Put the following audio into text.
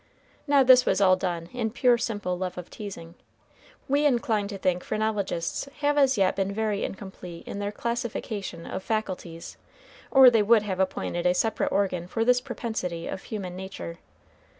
Now this was all done in pure simple love of teasing. We incline to think phrenologists have as yet been very incomplete in their classification of faculties, or they would have appointed a separate organ for this propensity of human nature.